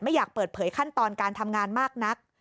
อยากเปิดเผยขั้นตอนการทำงานมากนัก